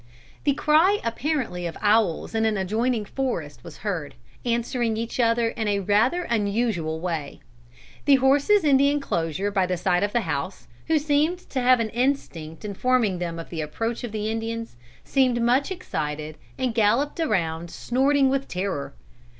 "The cry apparently of owls in an adjoining forest was heard, answering each other in rather an unusual way. The horses in the enclosure by the side of the house, who seemed to have an instinct informing them of the approach of the Indians, seemed much excited and galloped around snorting with terror.